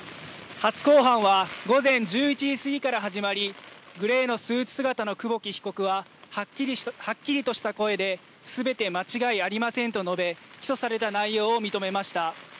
初公判は午前１１時過ぎから始まりグレーのスーツ姿の久保木被告ははっきりとした声ですべて間違いありませんと述べ起訴された内容を認めました。